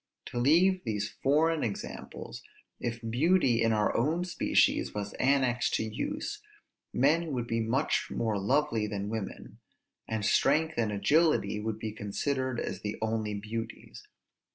To leave these foreign examples; if beauty in our own species was annexed to use, men would be much more lovely than women; and strength and agility would be considered as the only beauties.